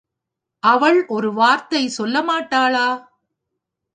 அவள் ஒரு வார்த்தை சொல்ல மாட்டாளா?